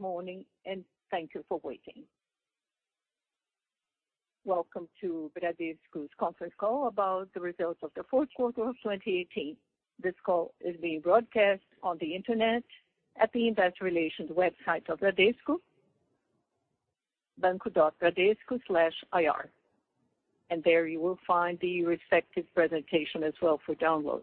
Good morning, and thank you for waiting. Welcome to Bradesco's conference call about the results of the fourth quarter of 2018. This call is being broadcast on the Internet at the investor relations website of Bradesco, banco.bradesco/ir, and there you will find the respective presentation as well for download.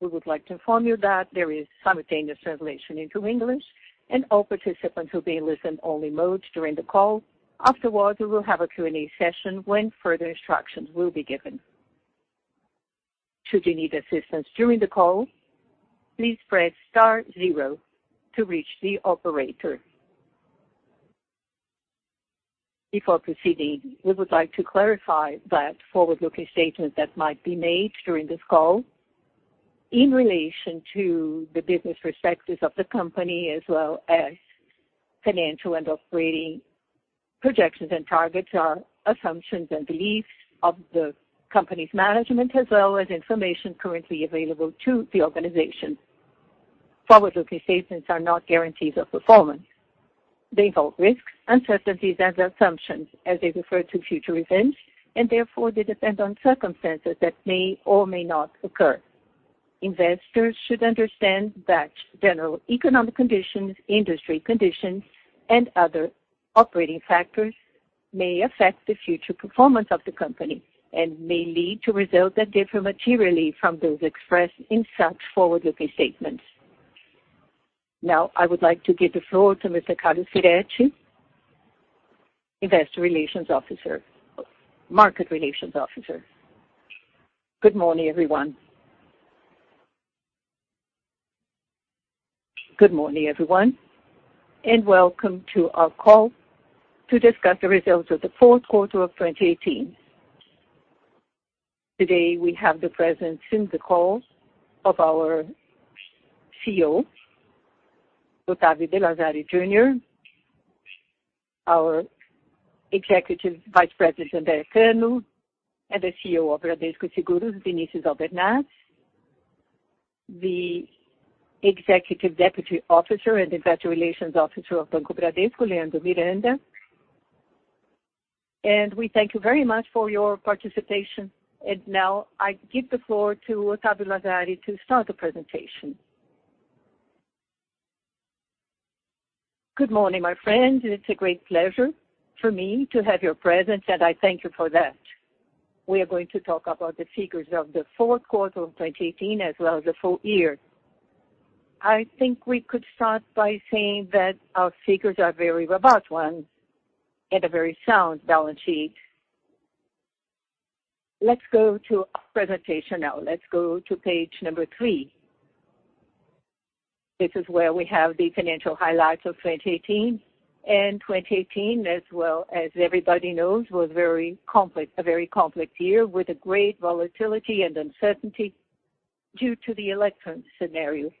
We would like to inform you that there is simultaneous translation into English, and all participants will be in listen-only mode during the call. Afterwards, we will have a Q&A session when further instructions will be given. Should you need assistance during the call, please press star zero to reach the operator. Before proceeding, we would like to clarify that forward-looking statements that might be made during this call in relation to the business perspectives of the company as well as financial and operating projections and targets are assumptions and beliefs of the company's management as well as information currently available to the organization. Forward-looking statements are not guarantees of performance. They involve risks, uncertainties, and assumptions as they refer to future events, and therefore, they depend on circumstances that may or may not occur. Investors should understand that general economic conditions, industry conditions, and other operating factors may affect the future performance of the company and may lead to results that differ materially from those expressed in such forward-looking statements. Now, I would like to give the floor to Mr. Carlos Firetti, Market Relations Director. Good morning, everyone. Good morning, everyone, and welcome to our call to discuss the results of the fourth quarter of 2018. Today, we have the presence in the call of our CEO, Octavio de Lazari Jr., our Executive Vice President, André Cano, and the CEO of Bradesco Seguros, Vinicius Albernaz, the Executive Deputy Officer and Investor Relations Officer of Banco Bradesco, Leandro Miranda. We thank you very much for your participation. Now I give the floor to Octavio de Lazari to start the presentation. Good morning, my friends. It's a great pleasure for me to have your presence, and I thank you for that. We are going to talk about the figures of the fourth quarter of 2018 as well as the full year. I think we could start by saying that our figures are very robust ones and a very sound balance sheet. Let's go to our presentation now. Let's go to page number three. This is where we have the financial highlights of 2018. 2018, as well as everybody knows, was a very complex year with a great volatility and uncertainty due to the election scenario.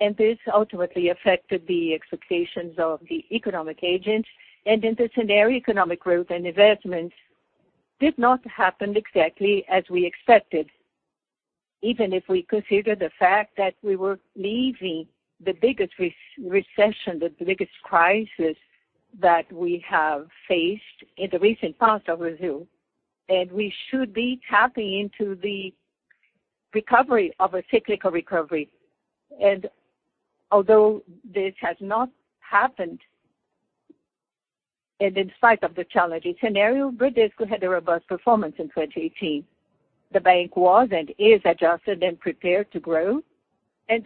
This ultimately affected the expectations of the economic agents, and in the scenario, economic growth and investments did not happen exactly as we expected. Even if we consider the fact that we were leaving the biggest recession, the biggest crisis that we have faced in the recent past of Brazil, and we should be tapping into the recovery of a cyclical recovery. Although this has not happened and in spite of the challenging scenario, Bradesco had a robust performance in 2018. The bank was and is adjusted and prepared to grow,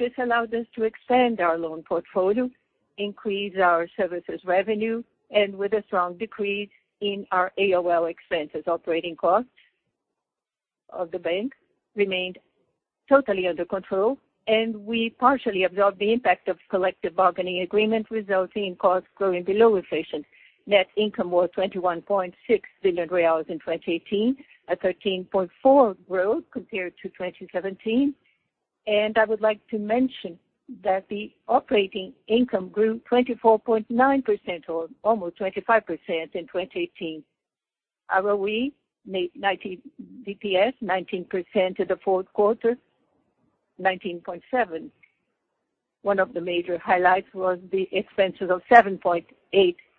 this allowed us to expand our loan portfolio, increase our services revenue, and with a strong decrease in our ALL expenses. Operating costs of the bank remained totally under control, we partially absorbed the impact of collective bargaining agreement, resulting in costs growing below inflation. Net income was 21.6 billion reais in 2018, a 13.4% growth compared to 2017. I would like to mention that the operating income grew 24.9%, or almost 25% in 2018. ROE made 19 basis points, 19% in the fourth quarter, 19.7%. One of the major highlights was the expenses of 7.8%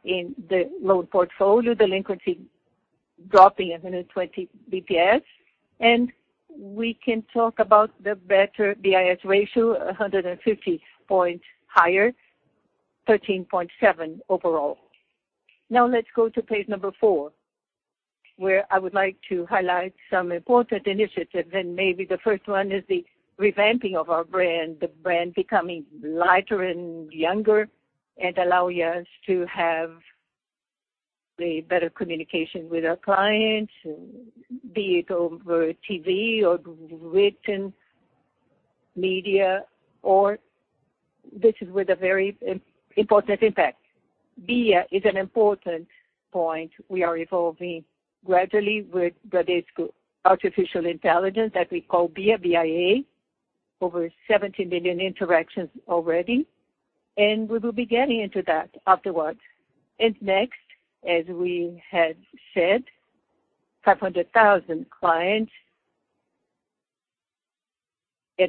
in the loan portfolio delinquency dropping 120 basis points, and we can talk about the better BIS ratio, 150 basis points higher, 13.7% overall. Let's go to page number four, where I would like to highlight some important initiatives, maybe the first one is the revamping of our brand, the brand becoming lighter and younger allowing us to have a better communication with our clients, be it over TV or written media or this is with a very important impact. BIA is an important point. We are evolving gradually with Bradesco artificial intelligence that we call BIA, B-I-A, over 70 million interactions already, we will be getting into that afterwards. Next, as we had said, 500,000 clients.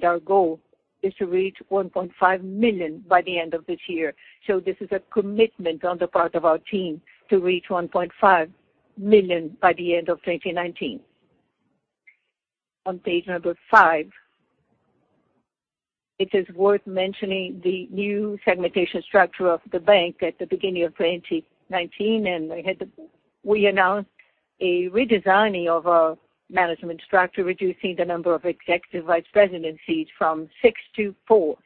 Our goal is to reach 1.5 million by the end of this year. This is a commitment on the part of our team to reach 1.5 million by the end of 2019. On page number five, it is worth mentioning the new segmentation structure of the bank at the beginning of 2019, we announced a redesigning of our management structure, reducing the number of executive vice presidencies from six to four.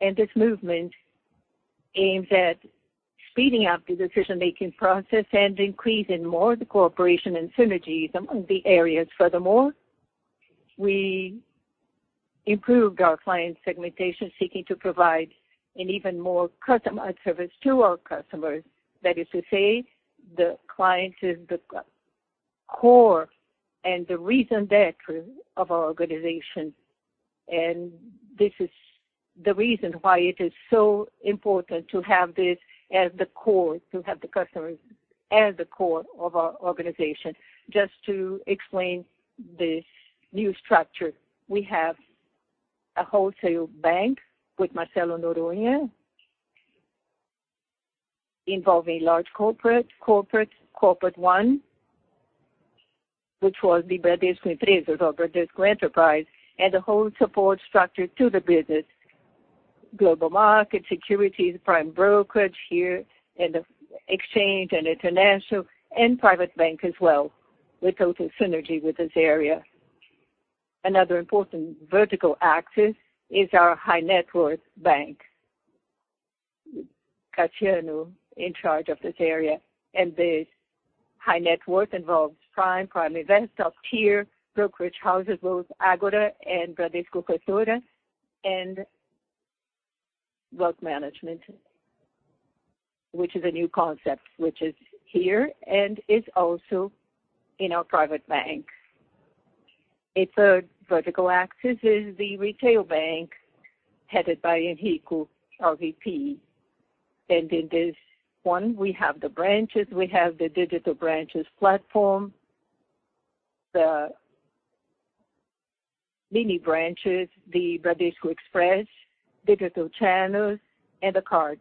This movement aims at speeding up the decision-making process and increasing more the cooperation and synergies among the areas. Furthermore, we improved our client segmentation, seeking to provide an even more customized service to our customers. That is to say, the client is the core and the reason being of our organization. This is the reason why it is so important to have this as the core, to have the customers as the core of our organization. Just to explain this new structure, we have a wholesale bank with Marcelo Noronha, involving large corporate, Corporate One, which was the Bradesco Empresas or Bradesco Enterprise, and the whole support structure to the business, global market, securities, Prime Brokerage here in the exchange international and private bank as well, with total synergy with this area. Another important vertical axis is our high-net-worth bank. Cassiano in charge of this area. The high-net-worth involves prime, Prime Invest, top tier, brokerage houses, both Ágora and Bradesco Corretora, and wealth management, which is a new concept, which is here and is also in our private bank. A third vertical axis is the retail bank headed by Eurico, our VP. In this one, we have the branches, we have the digital branches platform, the mini branches, the Bradesco Expresso, digital channels, and the cards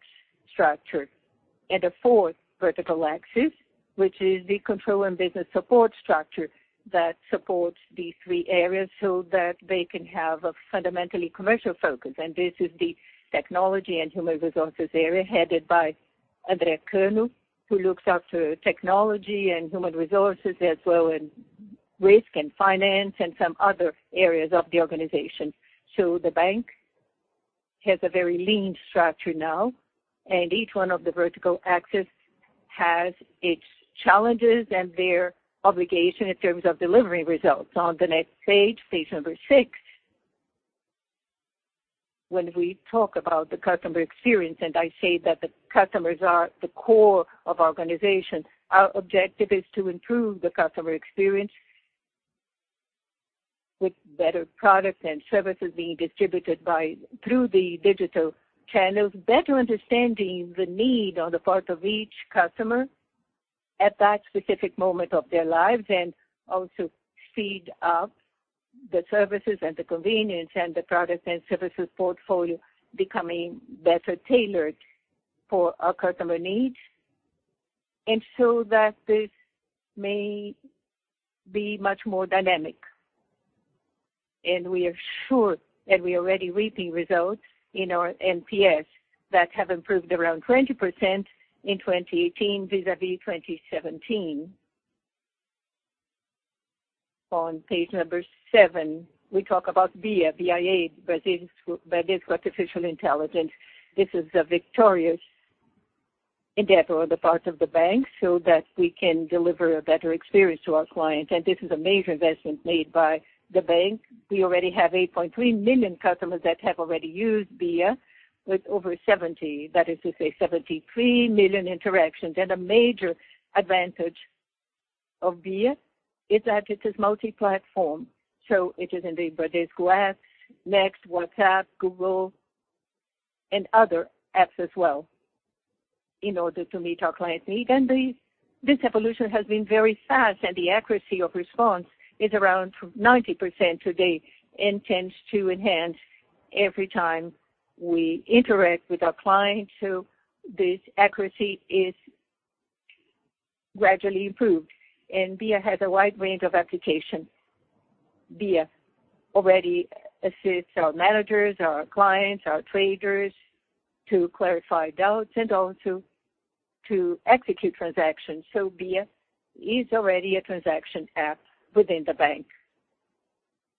structure. A fourth vertical axis, which is the control and business support structure that supports these three areas so that they can have a fundamentally commercial focus. This is the technology and human resources area headed by André Cano, who looks after technology and human resources as well, and risk and finance and some other areas of the organization. The bank has a very lean structure now, and each one of the vertical axes has its challenges and their obligation in terms of delivering results. On the next page six. When we talk about the customer experience, I say that the customers are the core of our organization, our objective is to improve the customer experience with better products and services being distributed through the digital channels, better understanding the need on the part of each customer at that specific moment of their lives, also speed up the services and the convenience and the products and services portfolio becoming better tailored for our customer needs, that this may be much more dynamic. We are sure that we are already reaping results in our NPS that have improved around 20% in 2018 vis-à-vis 2017. On page seven, we talk about BIA, B.I.A., Bradesco Artificial Intelligence. This is a victorious endeavor on the part of the bank so that we can deliver a better experience to our clients. This is a major investment made by the bank. We already have 8.3 million customers that have already used BIA, with over 70, that is to say, 73 million interactions. A major advantage of BIA is that it is multi-platform. It is in the Bradesco App, Next, WhatsApp, Google, and other apps as well in order to meet our clients' needs. This evolution has been very fast, and the accuracy of response is around 90% today and tends to enhance every time we interact with our clients. This accuracy is gradually improved. BIA has a wide range of applications. BIA already assists our managers, our clients, our traders to clarify doubts to execute transactions. BIA is already a transaction app within the bank.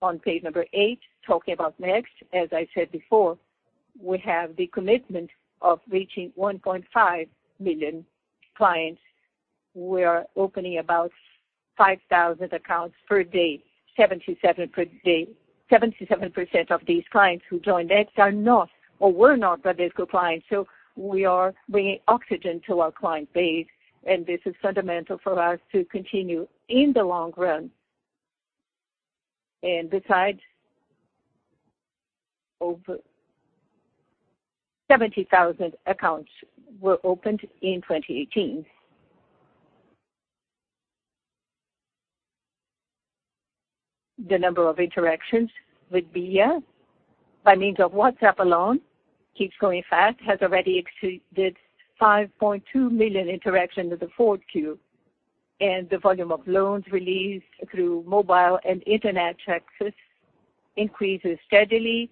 On page eight, talking about Next, as I said before, we have the commitment of reaching 1.5 million clients. We are opening about 5,000 accounts per day. 77% of these clients who join Next are not or were not Bradesco clients. We are bringing oxygen to our client base, and this is fundamental for us to continue in the long run. Over 70,000 accounts were opened in 2018. The number of interactions with BIA by means of WhatsApp alone keeps growing fast, has already exceeded 5.2 million interactions in the fourth Q. The volume of loans released through mobile and internet access increases steadily.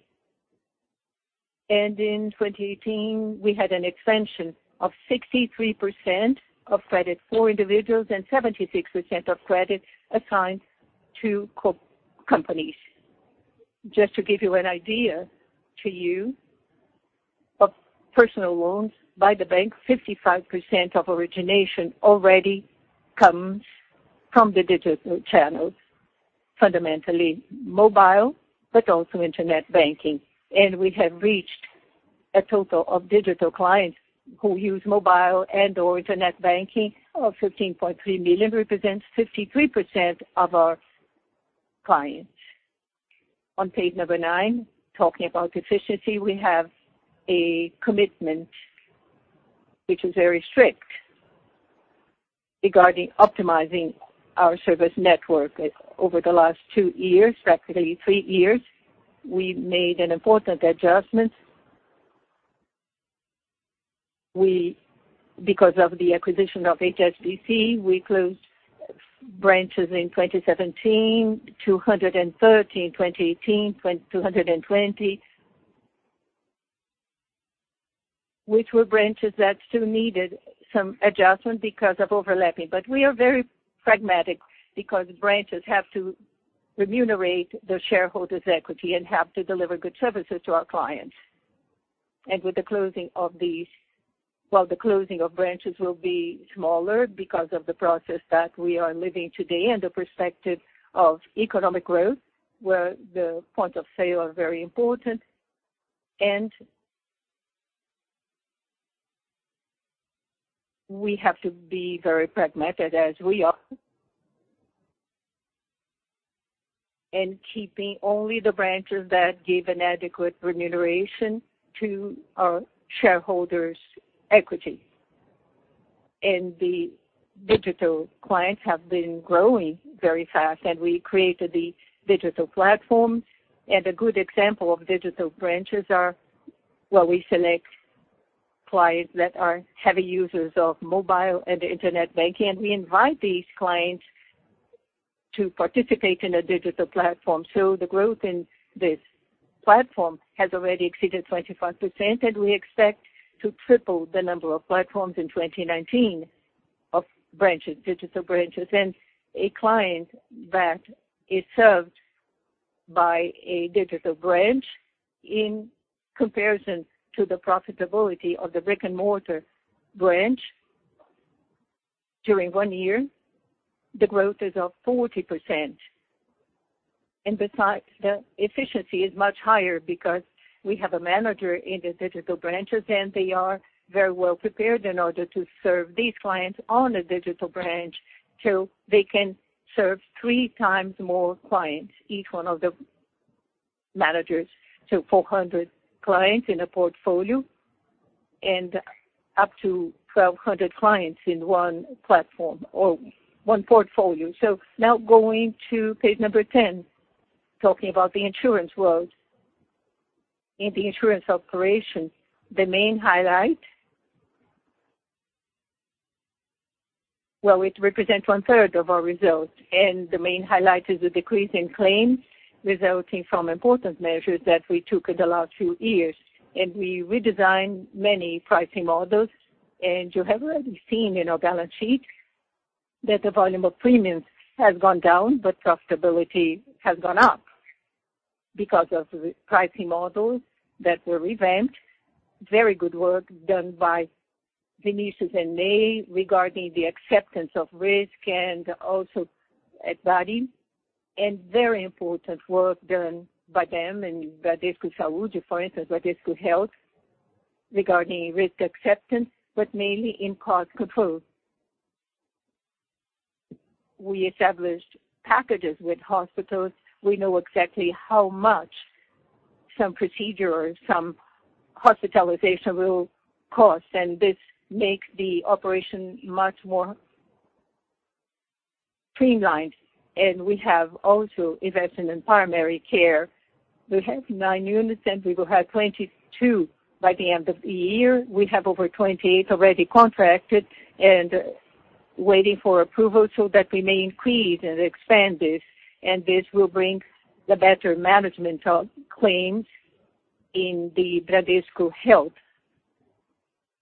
In 2018, we had an expansion of 63% of credit for individuals and 76% of credit assigned to companies. Just to give you an idea to you of personal loans by the bank, 55% of origination already comes from the digital channels, fundamentally mobile, but also internet banking. We have reached a total of digital clients who use mobile and/or internet banking of 15.3 million, represents 53% of our clients. On page number nine, talking about efficiency, we have a commitment which is very strict regarding optimizing our service network. Over the last two years, practically three years, we made an important adjustment. Because of the acquisition of HSBC, we closed branches in 2017, 213, 2018, 220, which were branches that still needed some adjustment because of overlapping. We are very pragmatic because branches have to remunerate the shareholders' equity and have to deliver good services to our clients. Well, the closing of branches will be smaller because of the process that we are living today and the perspective of economic growth, where the points of sale are very important, and we have to be very pragmatic as we are in keeping only the branches that give an adequate remuneration to our shareholders' equity. The digital clients have been growing very fast, and we created the digital platforms. A good example of digital branches are where we select clients that are heavy users of mobile and internet banking, and we invite these clients to participate in a digital platform. The growth in this platform has already exceeded 25%, and we expect to triple the number of platforms in 2019 of digital branches. A client that is served by a digital branch in comparison to the profitability of the brick-and-mortar branch during one year, the growth is of 40%. Besides, the efficiency is much higher because we have a manager in the digital branches, and they are very well prepared in order to serve these clients on a digital branch till they can serve three times more clients, each one of the managers, so 400 clients in a portfolio and up to 1,200 clients in one platform or one portfolio. Now going to page number 10, talking about the insurance world and the insurance operation. The main highlight, well, it represents one-third of our results, the main highlight is the decrease in claims resulting from important measures that we took in the last few years. We redesigned many pricing models, you have already seen in our balance sheet that the volume of premiums has gone down, profitability has gone up because of the pricing models that were revamped. Very good work done by Vinicius and May regarding the acceptance of risk and also at Varies and very important work done by them and Bradesco Saúde, for instance, Bradesco Saúde, regarding risk acceptance, but mainly in cost control. We established packages with hospitals. We know exactly how much some procedure or some hospitalization will cost, and this makes the operation much more streamlined. We have also invested in primary care. We have nine units, and we will have 22 by the end of the year. We have over 28 already contracted and waiting for approval so that we may increase and expand this, and this will bring the better management of claims in the Bradesco Health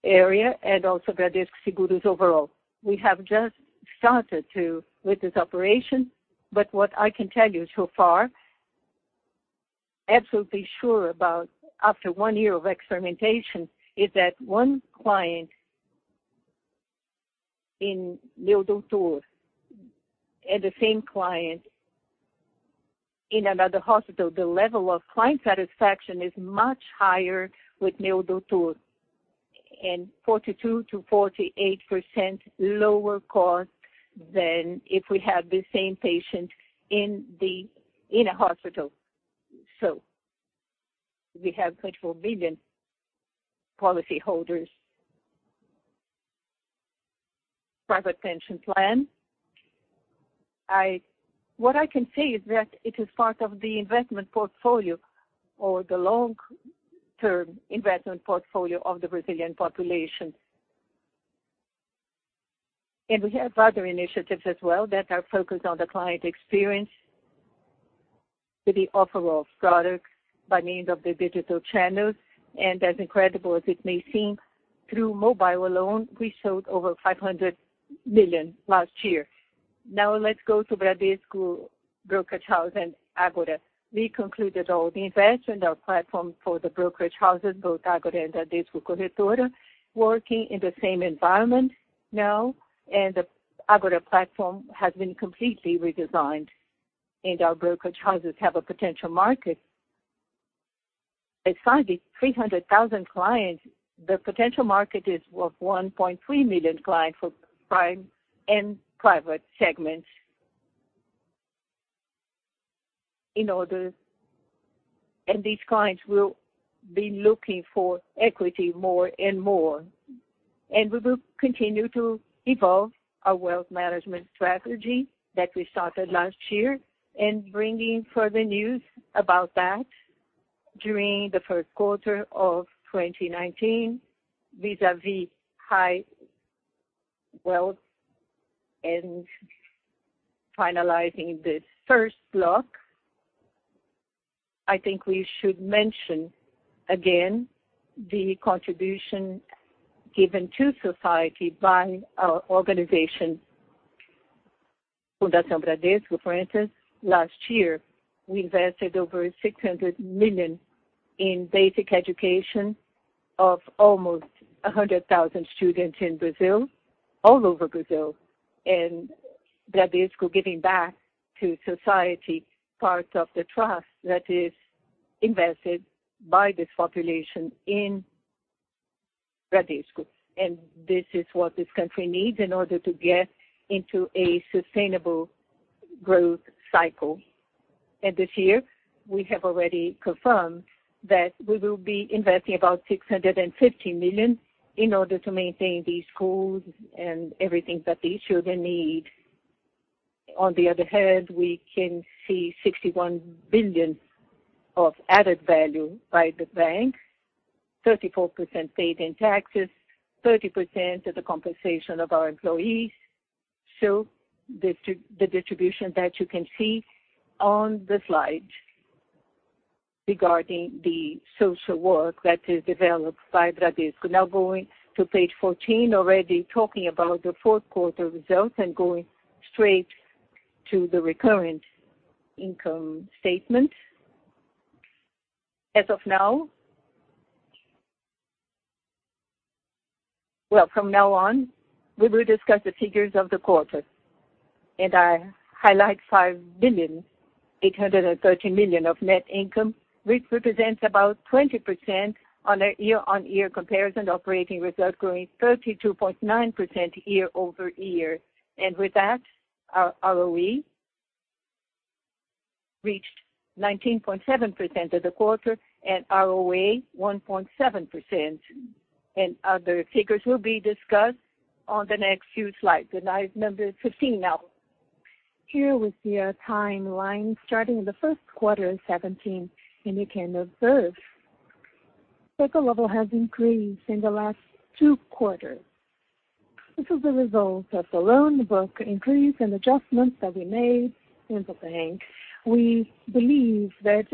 area and also Bradesco Seguros overall. We have just started with this operation, but what I can tell you so far, absolutely sure about after one year of experimentation, is that one client in Meu Doutor and the same client in another hospital, the level of client satisfaction is much higher with Meu Doutor and 42%-48% lower cost than if we had the same patient in a hospital. We have 24 million policyholders. Private pension plan. What I can say is that it is part of the investment portfolio or the long-term investment portfolio of the Brazilian population. We have other initiatives as well that are focused on the client experience, with the offer of products by means of the digital channels. As incredible as it may seem, through mobile alone, we sold over 500 million last year. Let's go to Bradesco Brokerage House and Ágora. We concluded all the investment, our platform for the brokerage houses, both Ágora and Bradesco Corretora, working in the same environment now, and the Ágora platform has been completely redesigned, and our brokerage houses have a potential market. Aside the 300,000 clients, the potential market is worth 1.3 million clients for prime and private segments. These clients will be looking for equity more and more. We will continue to evolve our wealth management strategy that we started last year and bringing further news about that during the first quarter of 2019 vis-à-vis high wealth and finalizing the first block. I think we should mention again the contribution given to society by our organization, Fundação Bradesco, for instance. Last year, we invested over 600 million in basic education of almost 100,000 students in Brazil, all over Brazil, Bradesco giving back to society part of the trust that is invested by this population in Bradesco. This is what this country needs in order to get into a sustainable growth cycle. This year, we have already confirmed that we will be investing about 650 million in order to maintain these schools and everything that these children need. On the other hand, we can see 61 billion of added value by the bank, 34% paid in taxes, 30% to the compensation of our employees. The distribution that you can see on the slide regarding the social work that is developed by Bradesco. Going to page 14, already talking about the fourth quarter results and going straight to the recurrent income statement. From now on, we will discuss the figures of the quarter. I highlight 5.83 billion of net income, which represents about 20% on a year-on-year comparison operating result growing 32.9% year-over-year. With that, our ROE reached 19.7% of the quarter and ROA 1.7%, and other figures will be discussed on the next few slides. The slide number 15 now. Here we see a timeline starting in the first quarter of 2017, you can observe cycle level has increased in the last two quarters. This is the result of the loan book increase and adjustments that we made in the bank. We believe that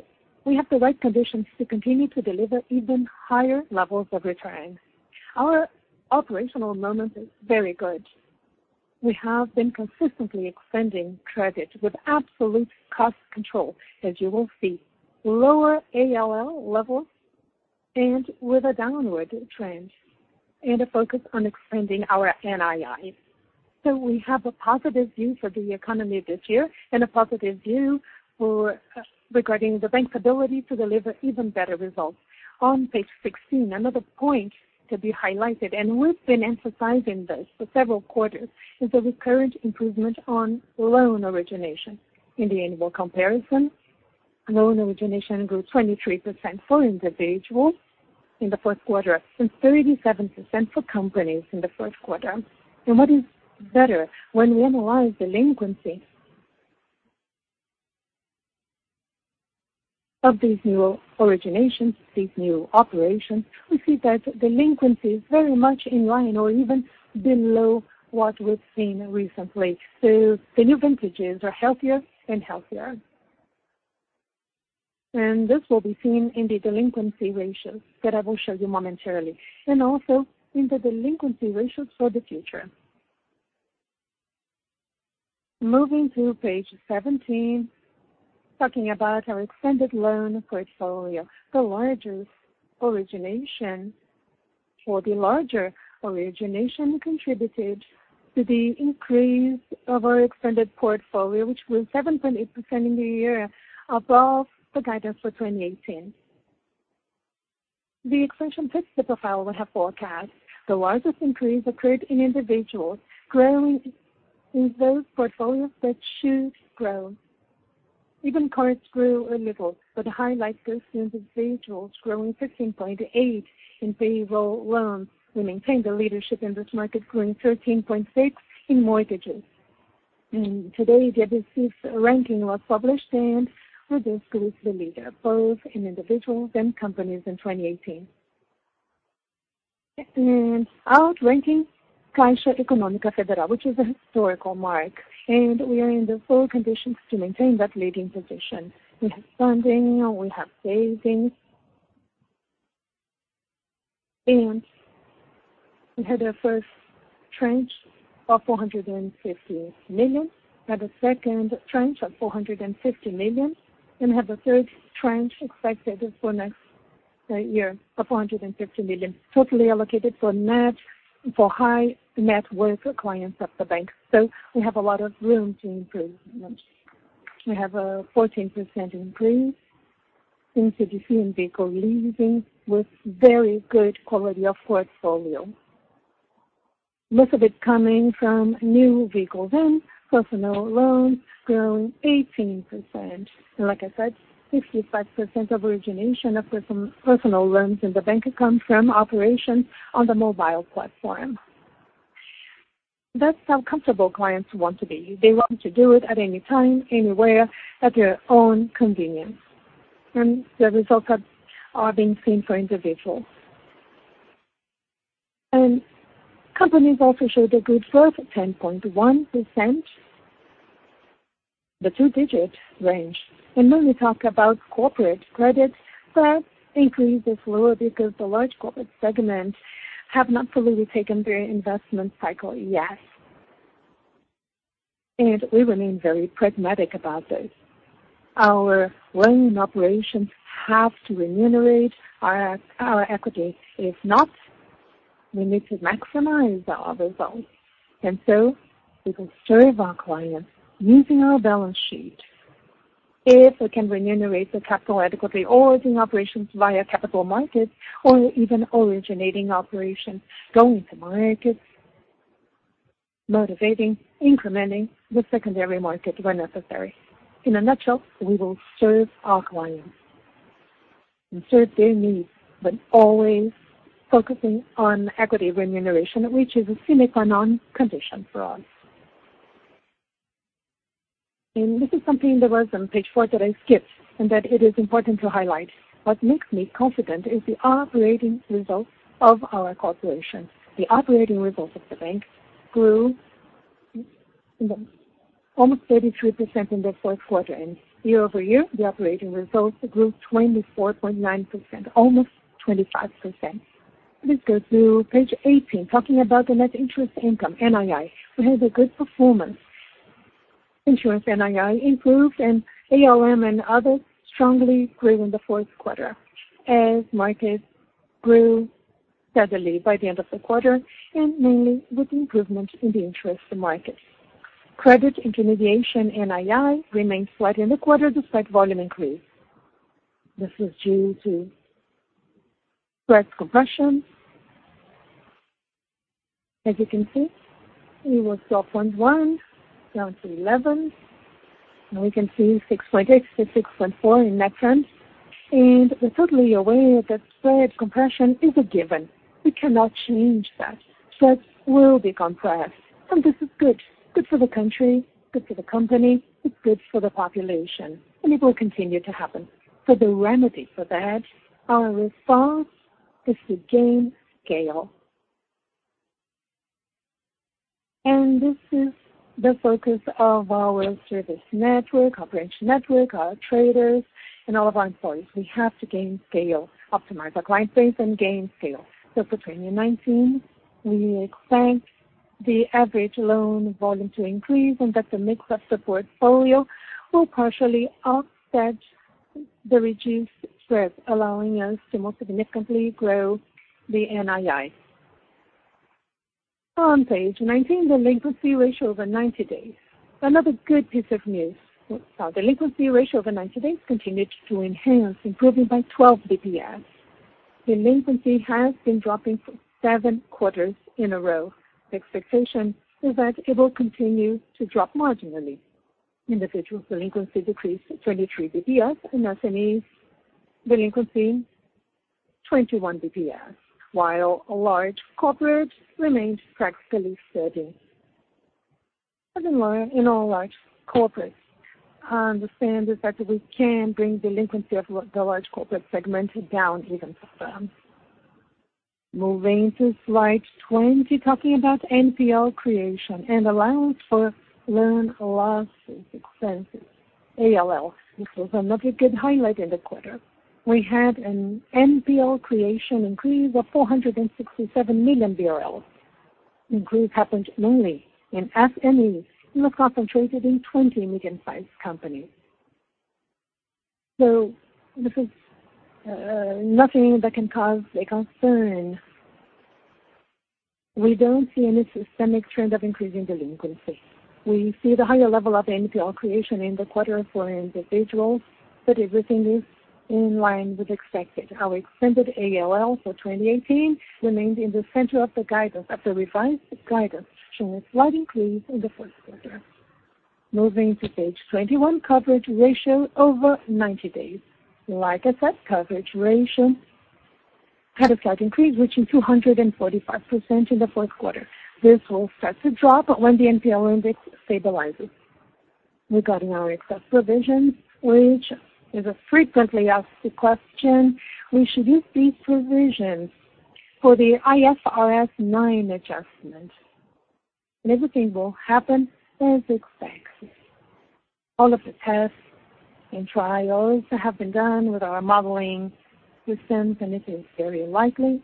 we have the right conditions to continue to deliver even higher levels of return. Our operational momentum is very good. We have been consistently extending credit with absolute cost control, as you will see. Lower ALL levels and with a downward trend and a focus on extending our NIIs. We have a positive view for the economy this year and a positive view regarding the bank's ability to deliver even better results. On page 16, another point to be highlighted, we've been emphasizing this for several quarters, is the recurrent improvement on loan origination. In the annual comparison, loan origination grew 23% for individuals in the first quarter and 37% for companies in the first quarter. What is better, when we analyze delinquency of these new originations, these new operations, we see that delinquency is very much in line or even below what we've seen recently. The new vintages are healthier and healthier. This will be seen in the delinquency ratios that I will show you momentarily and also in the delinquency ratios for the future. Moving to page 17, talking about our extended loan portfolio. The larger origination contributed to the increase of our extended portfolio, which was 7.8% in the year above the guidance for 2018. The expansion fits the profile we have forecast. The largest increase occurred in individuals growing in those portfolios that should grow. Even cards grew a little, the highlight goes to individuals growing 15.8% in payroll loans. We maintain the leadership in this market, growing 13.6% in mortgages. Today, the ABECIP ranking was published and Bradesco is the leader both in individuals and companies in 2018. Outranking Caixa Econômica Federal, which is a historical mark, we are in the full conditions to maintain that leading position. We have funding, we have savings, we had our first tranche of 450 million, had a second tranche of 450 million, and have the third tranche expected for next year of 450 million, totally allocated for high net worth clients of the bank. We have a lot of room to improve. We have a 14% increase in CDC and vehicle leasing with very good quality of portfolio. Most of it coming from new vehicle loans, personal loans growing 18%. Like I said, 55% of origination of personal loans in the bank comes from operations on the mobile platform. That's how comfortable clients want to be. They want to do it at any time, anywhere, at their own convenience. The results are being seen for individuals. Companies also showed a good growth at 10.1%, the two-digit range. When we talk about corporate credit, growth increase is lower because the large corporate segment have not fully taken their investment cycle yet. We remain very pragmatic about this. Our loan operations have to remunerate our equity. If not, we need to maximize our results. We will serve our clients using our balance sheet if we can remunerate the capital adequately, or in operations via capital markets or even originating operations, going to markets, motivating, incrementing the secondary market where necessary. In a nutshell, we will serve our clients and serve their needs, but always focusing on equity remuneration, which is a sine qua non condition for us. This is something that was on page four that I skipped and that it is important to highlight. What makes me confident is the operating results of our corporation. The operating results of the bank grew almost 33% in the fourth quarter and year-over-year, the operating results grew 24.9%, almost 25%. Please go to page 18, talking about the net interest income, NII. We had a good performance. Insurance NII improved and ALM and others strongly grew in the fourth quarter as markets grew steadily by the end of the quarter and mainly with improvement in the interest markets. Credit intermediation NII remained flat in the quarter despite volume increase. This is due to spread compression. As you can see, it was 12.1 down to 11, and we can see 6.8 to 6.4 in net funds. We are totally aware that spread compression is a given. We cannot change that. Spreads will be compressed, and this is good. Good for the country, good for the company, it is good for the population, and it will continue to happen. The remedy for that, our response is to gain scale. This is the focus of our service network, our branch network, our traders and all of our employees. We have to gain scale, optimize our client base and gain scale. For 2019, we expect the average loan volume to increase and that the mix of the portfolio will partially offset the reduced spread, allowing us to more significantly grow the NII. On page 19, the delinquency ratio over 90 days. Another good piece of news. The delinquency ratio over 90 days continued to enhance, improving by 12 basis points. Delinquency has been dropping for seven quarters in a row. The expectation is that it will continue to drop marginally. Individual delinquency decreased 23 basis points and SMEs delinquency 21 basis points, while large corporate remained practically steady. In our large corporate, our understanding is that we can bring delinquency of the large corporate segment down even further. Moving to slide 20, talking about NPL creation and Allowance for Loan Losses expenses, ALL. This was another good highlight in the quarter. We had an NPL creation increase of 467 million BRL. Increase happened mainly in SMEs and was concentrated in 20 medium-sized companies. This is nothing that can cause a concern. We don't see any systemic trend of increasing delinquency. We see the higher level of NPL creation in the quarter for individuals, but everything is in line with expected. Our extended ALL for 2018 remained in the center of the guidance as the revised guidance showing a slight increase in the fourth quarter. Moving to page 21, coverage ratio over 90 days. Like I said, coverage ratio had a slight increase, reaching 245% in the fourth quarter. This will start to drop when the NPL index stabilizes. Regarding our excess provisions, which is a frequently asked question, we should use these provisions for the IFRS 9 adjustment, and everything will happen as expected. All of the tests and trials have been done with our modeling systems. It is very likely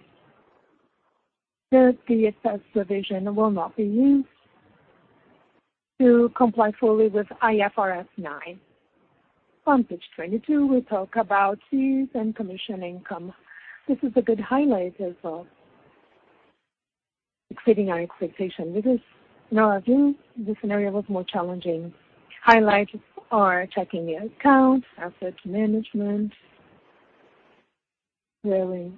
that the excess provision will not be used to comply fully with IFRS 9. On page 22, we talk about fees and commission income. This is a good highlight as well, exceeding our expectation. This is November, the scenario was more challenging. Highlights are checking accounts, asset management. Really,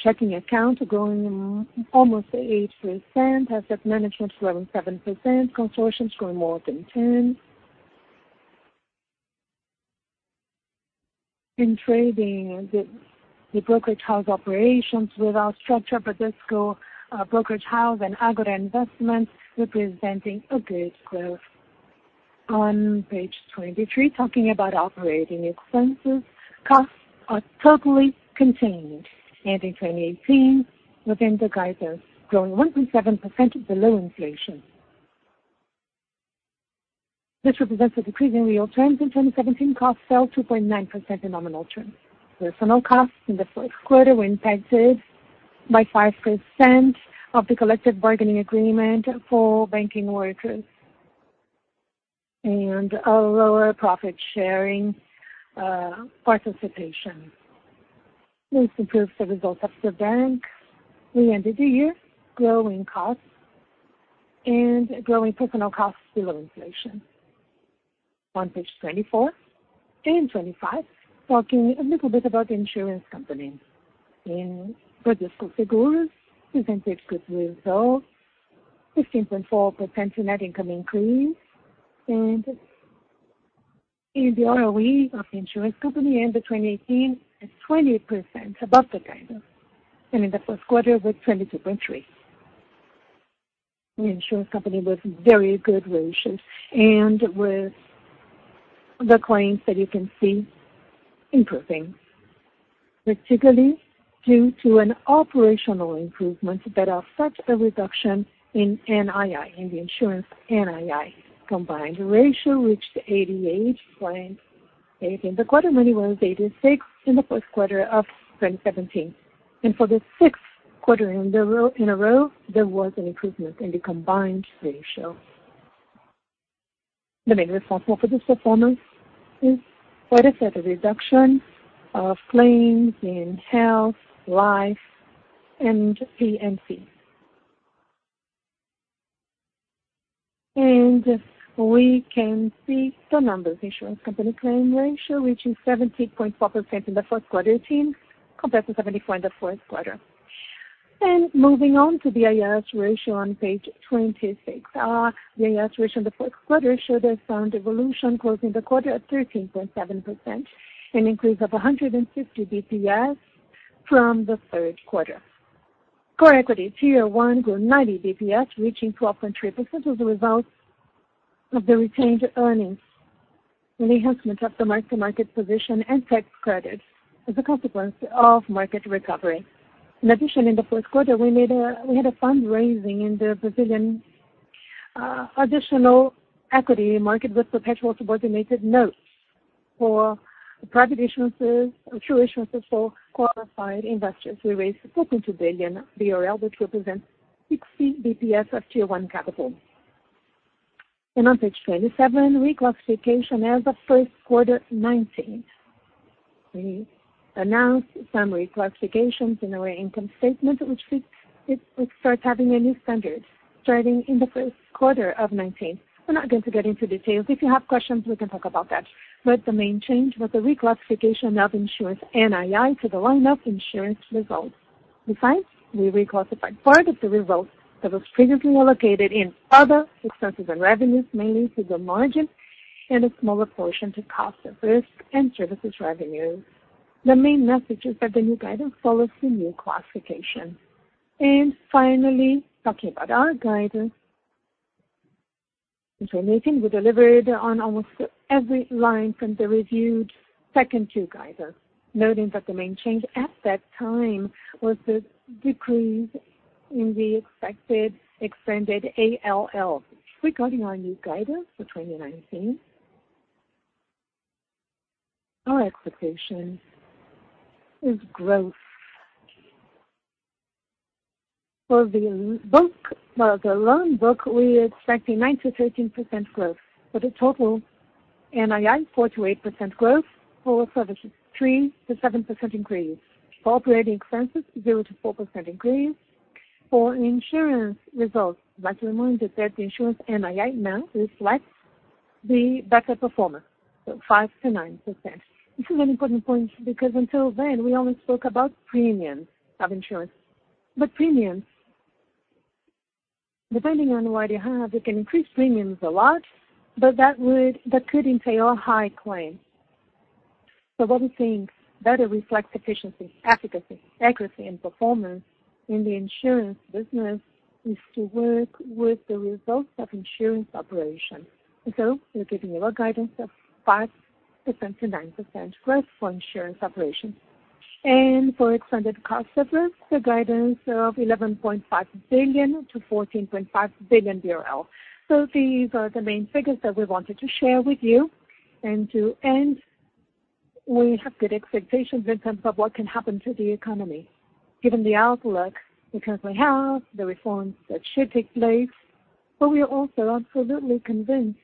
checking accounts are growing almost 8%. Asset management is growing 7%. Consortium is growing more than 10. In trading, the brokerage house operations with our structure, Bradesco Brokerage House and Ágora Investimentos representing a good growth. On page 23, talking about operating expenses, costs are totally contained. In 2018, within the guidance, growing 1.7% below inflation. This represents a decrease in real terms. In 2017, costs fell 2.9% in nominal terms. Personal costs in the fourth quarter were impacted by 5% of the collective bargaining agreement for banking workers and a lower profit-sharing participation. This improves the results of the bank. We ended the year growing costs and growing personal costs below inflation. On page 24 and 25, talking a little bit about the insurance company. In Bradesco Seguros, we've been good results, 15.4% in net income increase, and in the ROE of the insurance company end of 2018 at 20% above the guidance. In the first quarter was 22.3%. The insurance company with very good ratios and with the claims that you can see improving. Particularly due to an operational improvements that are such a reduction in NII, in the insurance NII. Combined ratio reached 88% claims paid in the quarter. Money was 86% in the fourth quarter of 2017. For the sixth quarter in a row, there was an improvement in the combined ratio. The main responsible for this performance is what I said, the reduction of claims in health, life, and P&C. We can see the numbers. Insurance company claim ratio reaching 70.4% in the fourth quarter 2018, compared to 70.4% in the fourth quarter. Moving on to the BIS ratio on page 26. The BIS ratio in the fourth quarter showed a sound evolution, closing the quarter at 13.7%, an increase of 160 basis points from the third quarter. Core equity Tier 1 grew 90 basis points, reaching 12.3% as a result of the retained earnings, the enhancement of the mark-to-market position, and tax credits as a consequence of market recovery. In addition, in the fourth quarter, we had a fundraising in the Brazilian additional equity market with perpetual subordinated notes for private issuances or true issuances for qualified investors. We raised 42 billion BRL, which represents 60 basis points of Tier 1 capital. On page 27, reclassification as of first quarter 2019. We announced some reclassifications in our income statement, which we start having a new standard starting in the first quarter of 2019. We're not going to get into details. If you have questions, we can talk about that. The main change was the reclassification of insurance NII to the line of insurance results. Besides, we reclassified part of the results that was previously allocated in other successes and revenues, mainly to the margin and a smaller portion to cost of risk and services revenues. The main message is that the new guidance follows the new classification. Finally, talking about our guidance. In 2018, we delivered on almost every line from the reviewed second two guidance, noting that the main change at that time was the decrease in the expected extended ALL. Regarding our new guidance for 2019, our expectation is growth. For the loan book, we are expecting 9%-13% growth with a total NII, 4%-8% growth. Core services, 3%-7% increase. Operating expenses, 0%-4% increase. For insurance results, I'd like to remind you that the insurance NII now reflects the better performance of 5%-9%. This is an important point because until then, we only spoke about premiums of insurance. But premiums, depending on what you have, you can increase premiums a lot, but that could entail high claims. What we think better reflects efficiency, efficacy, accuracy, and performance in the insurance business is to work with the results of insurance operations. We're giving you a guidance of 5%-9% growth for insurance operations. For extended car service, the guidance of 11.5 billion-14.5 billion BRL. These are the main figures that we wanted to share with you. To end, we have good expectations in terms of what can happen to the economy, given the outlook, because we have the reforms that should take place. We are also absolutely convinced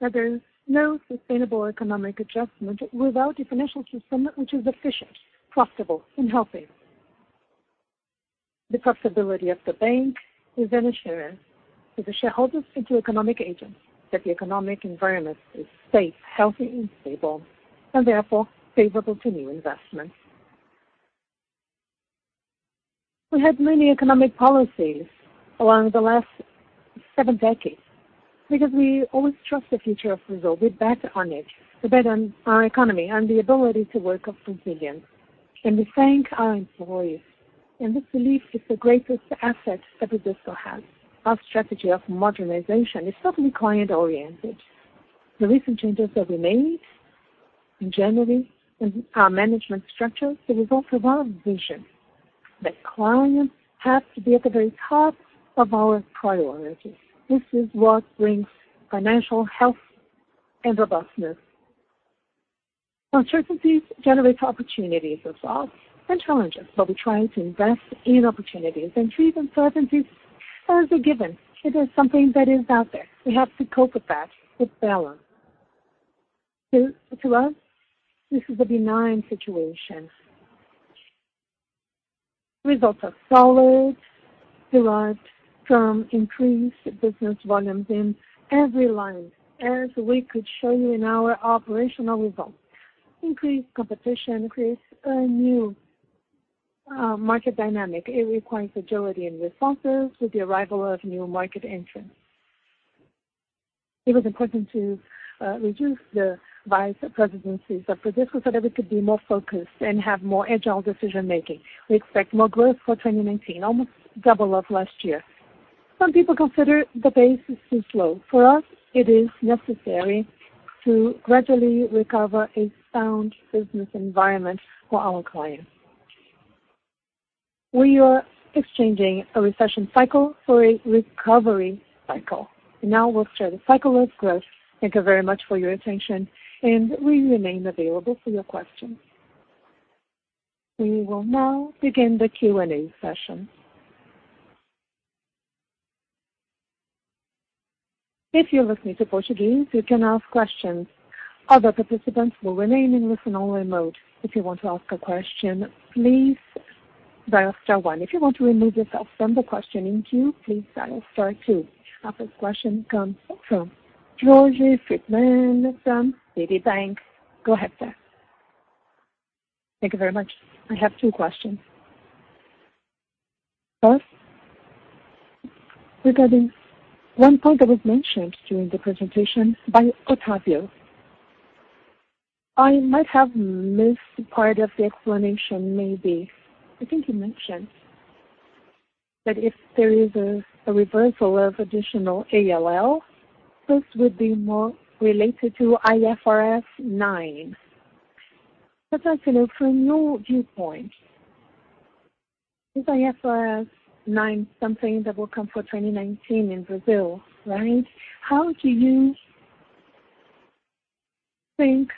that there is no sustainable economic adjustment without a financial system which is efficient, profitable, and healthy. The profitability of the bank is an assurance to the shareholders and to economic agents that the economic environment is safe, healthy, and stable, and therefore favorable to new investments. We had many economic policies along the last seven decades because we always trust the future of Brazil. We bet on it. We bet on our economy and the ability to work of Brazilians. We thank our employees. This belief is the greatest asset that Bradesco has. Our strategy of modernization is totally client-oriented. The recent changes that we made in January in our management structure, the results of our vision that clients have to be at the very top of our priorities. This is what brings financial health and robustness. Uncertainties generate opportunities as well and challenges, we're trying to invest in opportunities and treat uncertainties as a given. It is something that is out there. We have to cope with that with balance. To us, this is a benign situation. Results are solid, derived from increased business volumes in every line, as we could show you in our operational results. Increased competition creates a new market dynamic. It requires agility in responses with the arrival of new market entrants. It was important to reduce the vice presidencies of Bradesco so that we could be more focused and have more agile decision-making. We expect more growth for 2019, almost double of last year. Some people consider the pace is too slow. For us, it is necessary to gradually recover a sound business environment for our clients. We are exchanging a recession cycle for a recovery cycle. We'll share the cycle with growth. Thank you very much for your attention, we remain available for your questions. We will now begin the Q&A session. If you're listening to Portuguese, you can ask questions. Other participants will remain in listen-only mode. If you want to ask a question, please dial star one. If you want to remove yourself from the questioning queue, please dial star two. Our first question comes from Jorge Friedman from BB Bank. Go ahead, sir. Thank you very much. I have two questions. First, regarding one point that was mentioned during the presentation by Octavio. I might have missed part of the explanation, maybe. I think you mentioned that if there is a reversal of additional ALL, this would be more related to IFRS 9. But I'd like to know from your viewpoint, is IFRS 9 something that will come for 2019 in Brazil, right? How do you think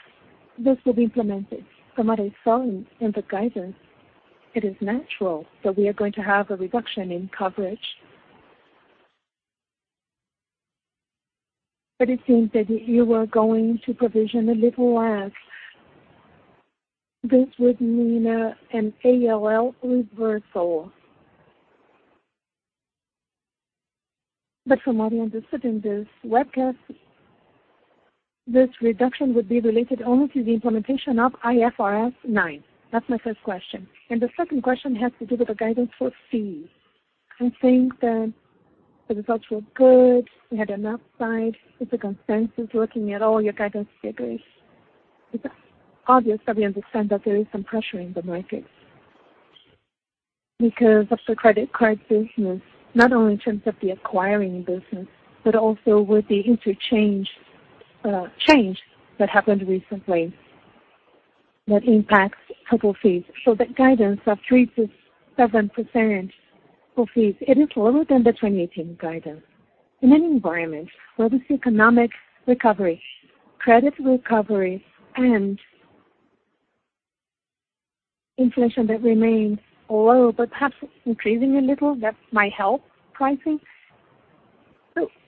this will be implemented? From what I saw in the guidance, it is natural that we are going to have a reduction in coverage. But it seems that you are going to provision a little less. This would mean an ALL reversal. From what I understood in this webcast, this reduction would be related only to the implementation of IFRS 9. That's my first question. The second question has to do with the guidance for fees. I think that the results were good. We had an upside with the consensus looking at all your guidance figures. It's obvious that we understand that there is some pressure in the markets because of the credit card business, not only in terms of the acquiring business, but also with the interchange change that happened recently that impacts couple fees. That guidance of 3%-7% for fees, it is lower than the 2018 guidance. In an environment where this economic recovery, credit recovery and inflation that remains low, but perhaps increasing a little. That might help pricing.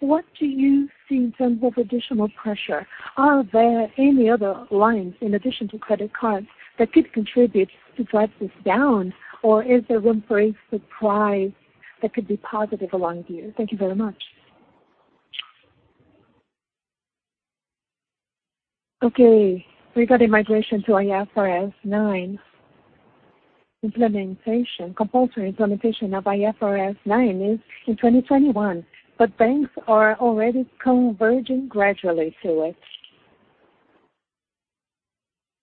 What do you see in terms of additional pressure? Are there any other lines in addition to credit cards that could contribute to drive this down, or is there room for a surprise that could be positive along the year? Thank you very much. Okay. Regarding migration to IFRS 9 implementation, compulsory implementation of IFRS 9 is in 2021, but banks are already converging gradually to it.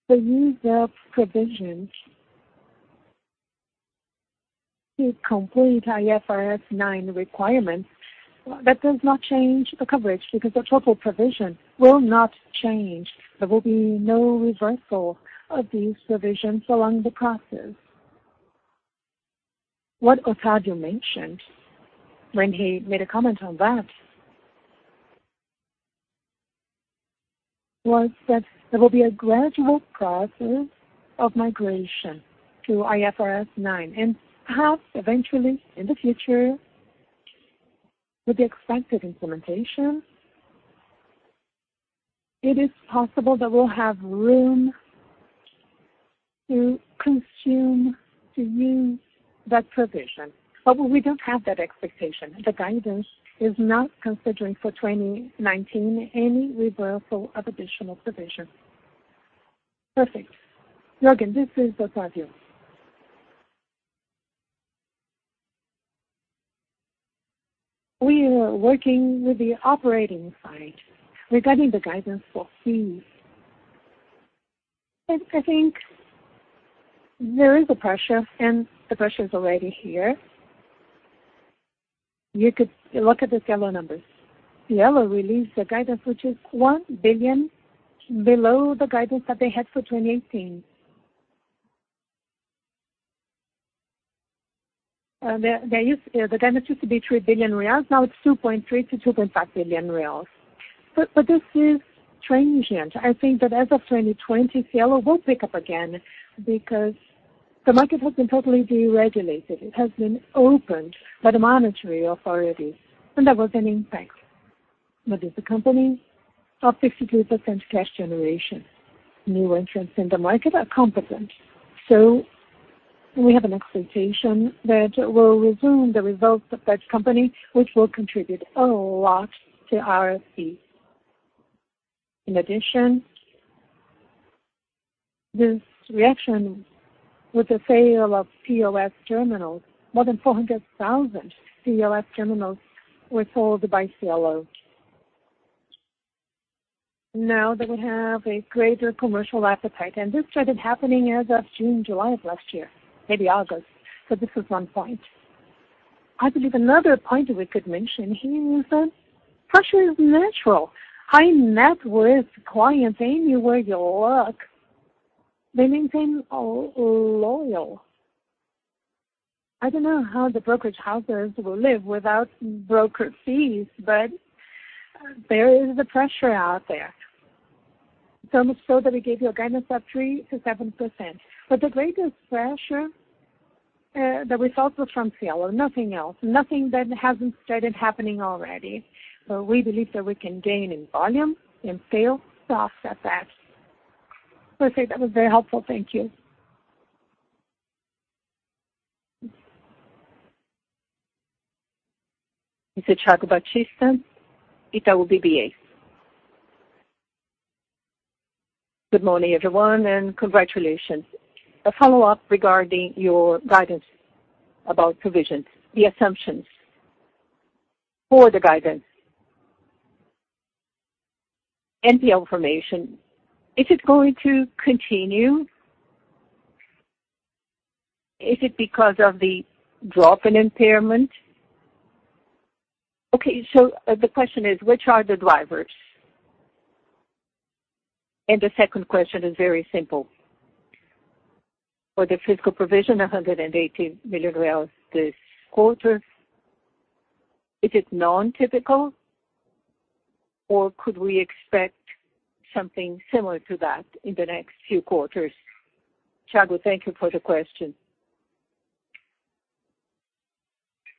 The use of provisions to complete IFRS 9 requirements, that does not change the coverage because the total provision will not change. There will be no reversal of these provisions along the process. What Octavio mentioned when he made a comment on that was that there will be a gradual process of migration to IFRS 9, and perhaps eventually, in the future, with the expected implementation, it is possible that we'll have room to consume, to use that provision. We don't have that expectation. The guidance is not considering for 2019 any reversal of additional provision. Perfect. Jorge, this is Octavio. We are working with the operating side regarding the guidance for fees. I think there is a pressure, and the pressure is already here. You could look at the Cielo numbers. Cielo released a guidance which is 1 billion below the guidance that they had for 2018. The guidance used to be 3 billion reais, now it's 2.3 billion-2.5 billion reais. This is transient. I think that as of 2020, Cielo will pick up again because the market has been totally deregulated. It has been opened by the monetary authorities and that was an impact. It's a company of 63% cash generation. New entrants in the market are competent. We have an expectation that will resume the results of that company, which will contribute a lot to our fees. In addition, this reaction with the sale of POS terminals, more than 400,000 POS terminals were sold by Cielo. Now they will have a greater commercial appetite, and this started happening as of June, July of last year, maybe August. This is one point. Much so that we gave you a guidance of 3%-7%. But the greatest pressure, the results were from Cielo, nothing else. Nothing that hasn't started happening already. We believe that we can gain in volume, in sales, so offset that. Perfect. That was very helpful. Thank you. It's Thiago Batista, Itaú BBA. Good morning, everyone, and congratulations. A follow-up regarding your guidance about provisions, the assumptions for the guidance. NPL formation, is it going to continue? Is it because of the drop in impairment? Okay, the question is, which are the drivers? The second question is very simple. For the fiscal provision, 118 million reais this quarter, is it non-typical, or could we expect something similar to that in the next few quarters? Thiago, thank you for the question.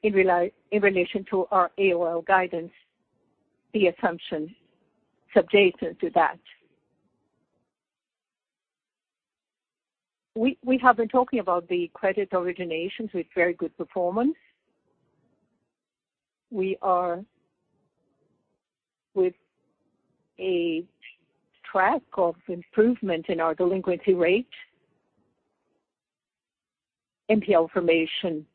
In relation to our ALL guidance, the assumption subjected to that. We have been talking about the credit originations with very good performance. We are with a track of improvement in our delinquency rate. NPL formation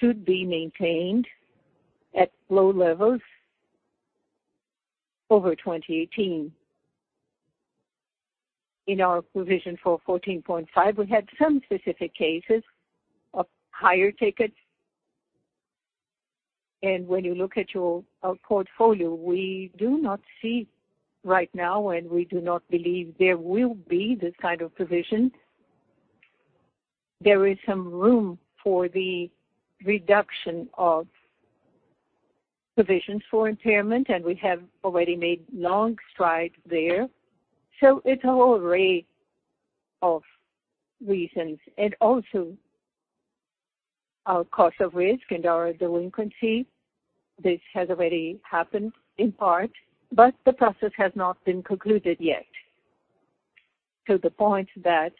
should be maintained at low levels over 2018. In our provision for 14.5, we had some specific cases of higher tickets. When you look at our portfolio, we do not see right now, and we do not believe there will be this kind of provision. There is some room for the reduction of Provisions for impairment, and we have already made long strides there. It's a whole array of reasons, and also our cost of risk and our delinquency. This has already happened in part, but the process has not been concluded yet to the point that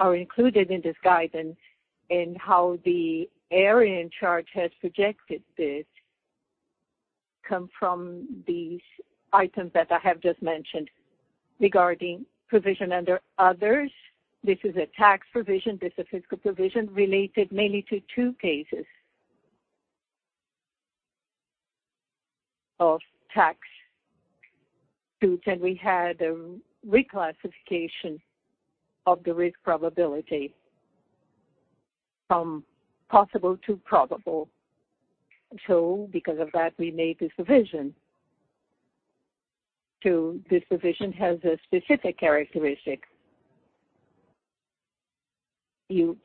are included in this guidance and how the area in charge has projected this come from these items that I have just mentioned regarding provision under others. This is a tax provision. This is a fiscal provision related mainly to two cases of tax suits, and we had a reclassification of the risk probability from possible to probable. Because of that, we made this provision. This provision has a specific characteristic. You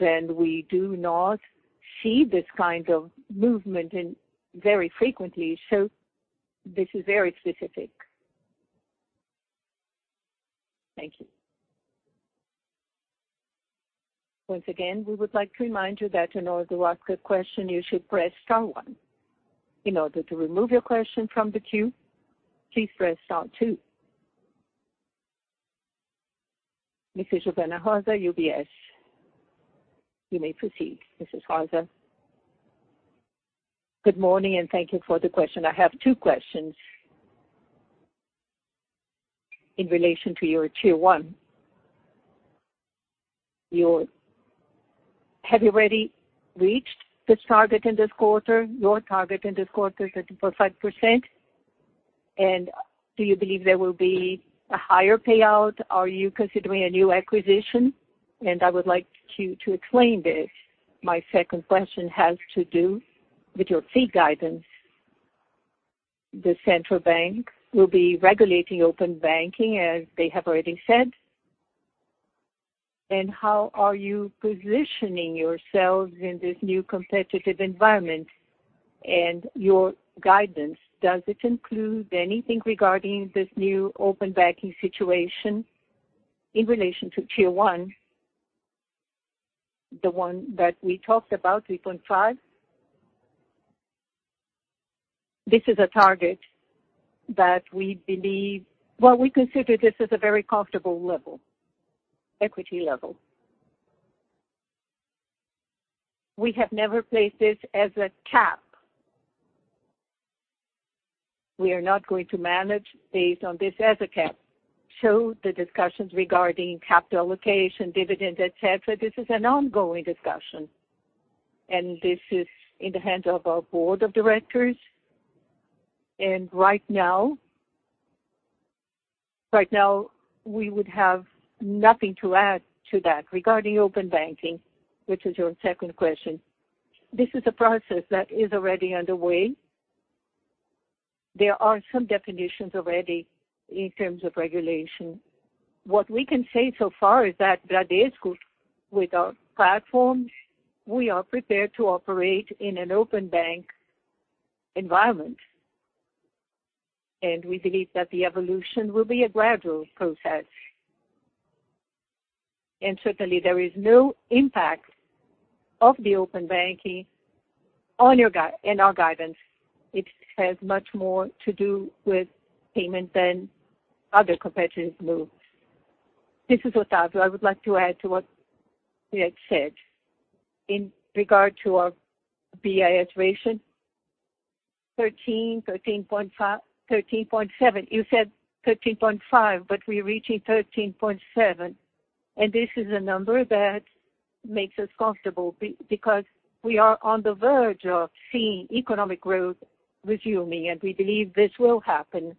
and we do not see this kind of movement in very frequently, so this is very specific. Thank you. Once again, we would like to remind you that in order to ask a question, you should press star one. In order to remove your question from the queue, please press star two. Mrs. Giovanna Rosa, UBS. You may proceed, Mrs. Rosa. Good morning and thank you for the question. I have two questions in relation to your Tier 1. Have you already reached this target in this quarter, your target in this quarter, 3.5%? Do you believe there will be a higher payout? Are you considering a new acquisition? I would like you to explain this. My second question has to do with your fee guidance. The central bank will be regulating open banking, as they have already said. How are you positioning yourselves in this new competitive environment? Your guidance, does it include anything regarding this new open banking situation? In relation to Tier 1, the one that we talked about, 3.5%, well, we consider this as a very comfortable equity level. We have never placed this as a cap. We are not going to manage based on this as a cap. The discussions regarding capital allocation, dividend, et cetera, this is an ongoing discussion, and this is in the hands of our board of directors. Right now, we would have nothing to add to that. Regarding open banking, which is your second question, this is a process that is already underway. There are some definitions already in terms of regulation. What we can say so far is that Bradesco, with our platforms, we are prepared to operate in an open bank environment, we believe that the evolution will be a gradual process. Certainly, there is no impact of the open banking in our guidance. It has much more to do with payment than other competitive moves. This is Octavio. I would like to add to what we had said. In regard to our BIS ratio, 13.7%. You said 13.5%, but we are reaching 13.7%, and this is a number that makes us comfortable because we are on the verge of seeing economic growth resuming, we believe this will happen.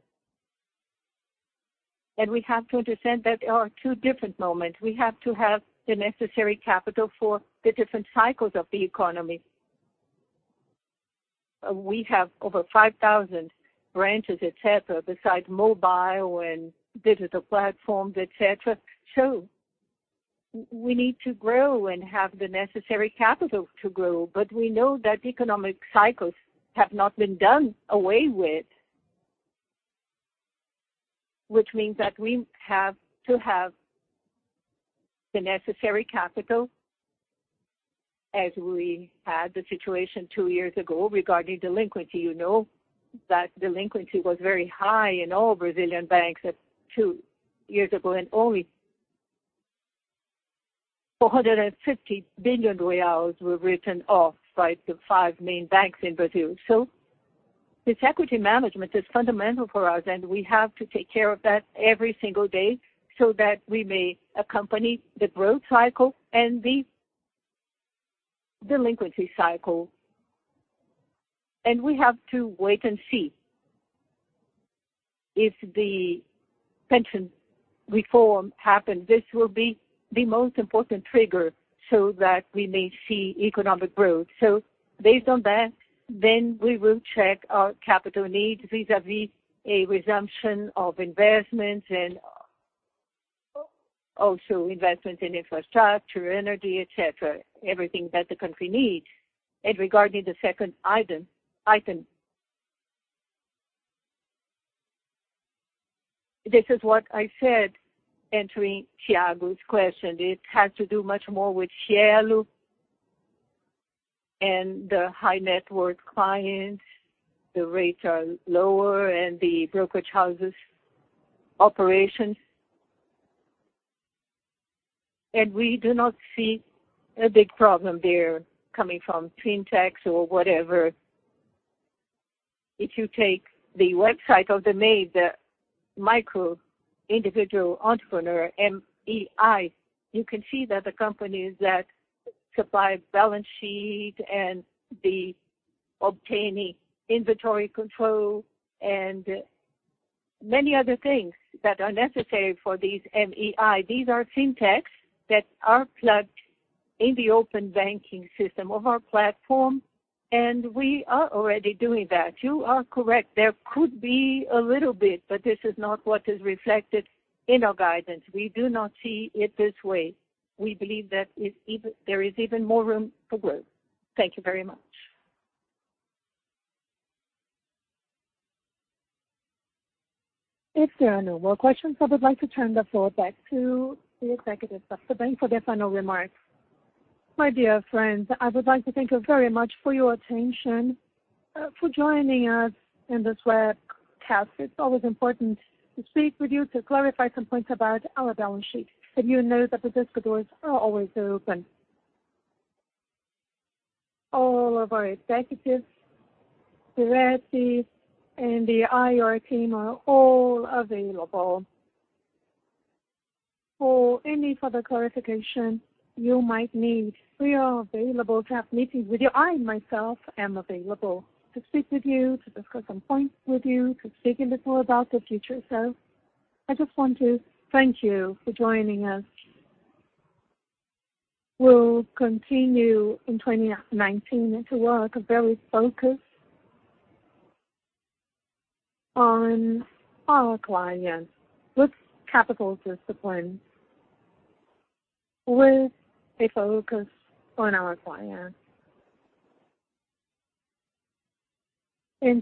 We have to understand that there are two different moments. We have to have the necessary capital for the different cycles of the economy. We have over 5,000 branches, et cetera, besides mobile and digital platforms, et cetera. We need to grow and have the necessary capital to grow. We know that economic cycles have not been done away with, which means that we have to have the necessary capital as we had the situation two years ago regarding delinquency. You know that delinquency was very high in all Brazilian banks two years ago, and only 450 billion were written off by the five main banks in Brazil. This equity management is fundamental for us, and we have to take care of that every single day so that we may accompany the growth cycle and the delinquency cycle. We have to wait and see. If the pension reform happens, this will be the most important trigger so that we may see economic growth. Based on that, then we will check our capital needs vis-a-vis a resumption of investments and also investments in infrastructure, energy, et cetera, everything that the country needs. Regarding the second item, this is what I said, answering Thiago's question. It has to do much more with Cielo and the high-net-worth clients. The rates are lower and the brokerage houses operations. We do not see a big problem there coming from fintechs or whatever. If you take the website of the MEI, the micro individual entrepreneur, M-E-I, you can see that the companies that supply balance sheet and the obtaining inventory control and many other things that are necessary for these MEI. These are fintechs that are plugged in the open banking system of our platform, and we are already doing that. You are correct, there could be a little bit. This is not what is reflected in our guidance. We do not see it this way. We believe that there is even more room for growth. Thank you very much. If there are no more questions, I would like to turn the floor back to the executive of the bank for their final remarks. My dear friends, I would like to thank you very much for your attention, for joining us in this webcast. It's always important to speak with you to clarify some points about our balance sheet. And you know that the Bradesco doors are always open. All of our executives, directors, and the IR team are all available for any further clarification you might need. We are available to have meetings with you. I, myself, am available to speak with you, to discuss some points with you, to speak a little about the future. I just want to thank you for joining us. We'll continue in 2019 to work very focused on our clients with capital discipline, with a focus on our clients.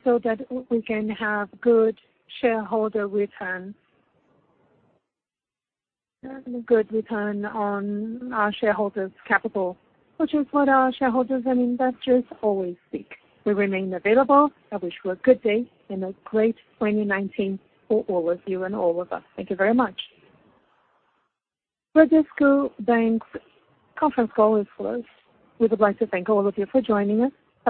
So that we can have good shareholder returns and good return on our shareholders' capital, which is what our shareholders and investors always seek. We remain available. I wish you a good day and a great 2019 for all of you and all of us. Thank you very much. Bradesco Bank conference call is closed. We would like to thank all of you for joining us.